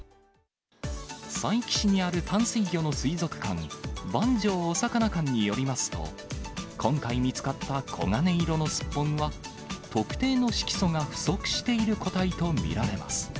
佐伯市にある淡水魚の水族館、番匠おさかな館によりますと、今回見つかった黄金色のスッポンは、特定の色素が不足している個体と見られます。